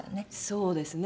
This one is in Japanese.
そうですね。